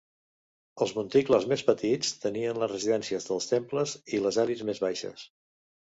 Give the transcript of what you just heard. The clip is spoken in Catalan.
Els monticles més petits tenien les residències dels temples i les elits més baixes.